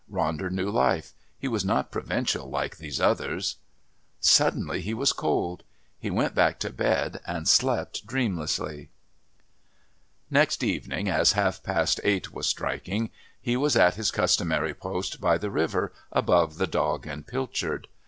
Ronder knew life. He was not provincial like these others.... Suddenly he was cold. He went back to bed and slept dreamlessly. Next evening, as half past eight was striking, he was at his customary post by the river, above the "Dog and Pilchard."